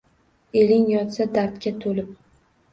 Eling yotsa dardga to’lib